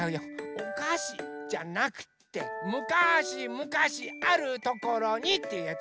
「おかし」じゃなくって「むかしむかしあるところに」っていうやつ。